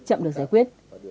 chậm được giải quyết